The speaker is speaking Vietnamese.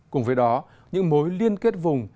cùng với đó những mối liên kết vùng